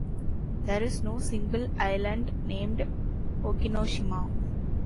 There is no single island named Okinoshima.